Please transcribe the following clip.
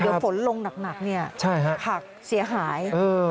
เดี๋ยวฝนลงหนักเนี่ยผักเสียหาย